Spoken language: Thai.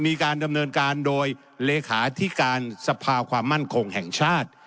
มีการดำเนินการโดยเลขาที่การสภาความมั่นคงแห่งชาติ